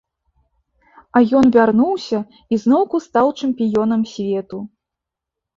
А ён вярнуўся і зноўку стаў чэмпіёнам свету.